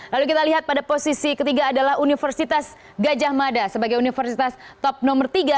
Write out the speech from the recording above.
lalu kita lihat pada posisi ketiga adalah universitas gajah mada sebagai universitas top nomor tiga